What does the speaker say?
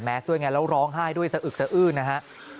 แม็กซ์ด้วยแล้วร้องไห้ด้วยซะอึกซะอื้นนะฮะ